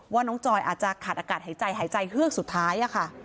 ว่าน้องจอยอาจจะขาดอากาศหายใจหายใจเฮือกสุดท้ายค่ะ